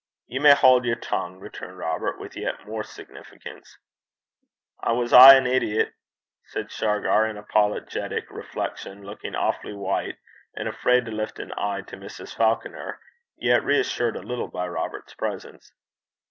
'Ye may haud yer tongue,' returned Robert, with yet more significance. 'I was aye a gowk (idiot),' said Shargar, in apologetic reflection, looking awfully white, and afraid to lift an eye to Mrs. Falconer, yet reassured a little by Robert's presence.